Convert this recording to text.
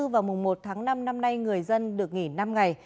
vào mùng một tháng năm năm nay người dân được nghỉ năm ngày